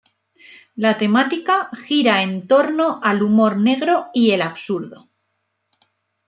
La temática gira en torno al humor negro y el absurdo.